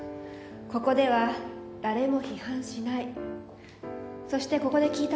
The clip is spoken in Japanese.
ここでは誰も批判しない。